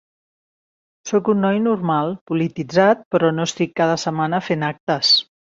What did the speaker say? Sóc un noi normal, polititzat, però no estic cada setmana fent actes.